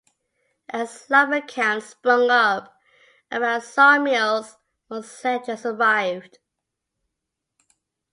As lumber camps sprung up around saw mills, more settlers arrived.